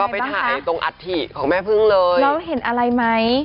ไปถ่ายอัตถี่ของแม่พึ่งเลย